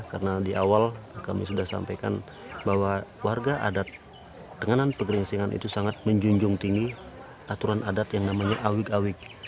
karena di awal kami sudah sampaikan bahwa warga adat denganan pegeringsingan itu sangat menjunjung tinggi aturan adat yang namanya awig awig